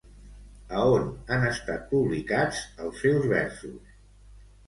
A on han estat publicats els seus versos?